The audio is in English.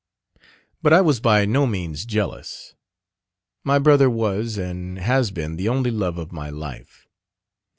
But I was by no means jealous: my brother was and has been the only love of my life.